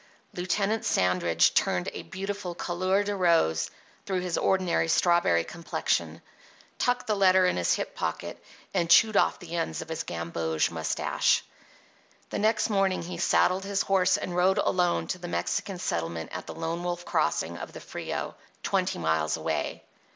Lieutenant Sandridge turned a beautiful couleur de rose through his ordinary strawberry complexion, tucked the letter in his hip pocket, and chewed off the ends of his gamboge moustache. The next morning he saddled his horse and rode alone to the Mexican settlement at the Lone Wolf Crossing of the Frio, twenty miles away.